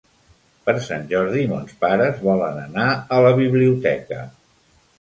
Per Sant Jordi mons pares volen anar a la biblioteca.